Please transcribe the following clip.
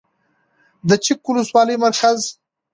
د چک ولسوالۍ مرکز